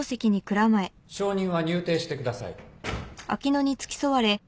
証人は入廷してください。